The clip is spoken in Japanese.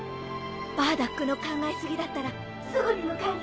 バーダックの考え過ぎだったらすぐに迎えに行くからね。